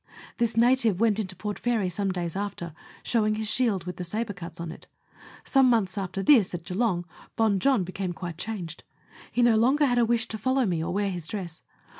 This native went into Port Fairy some days after, showing his shield with the sabre cuts on it. Some months after this, at Geelong, Bon Jon became quite changed ; he no longer had a wish 124 Letters from Victorian Pioneers. to follow me or Avear his dress.